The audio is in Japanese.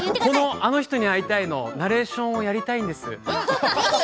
「あの人に会いたい」のナレーションをしたいです！